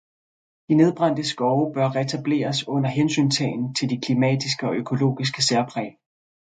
De nedbrændte skove bør retableres under hensyntagen til de klimatiske og økologiske særpræg.